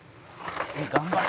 「頑張れ。